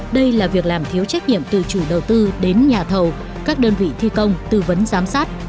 đây là việc làm thiếu trách nhiệm từ chủ đầu tư đến nhà thầu các đơn vị thi công tư vấn giám sát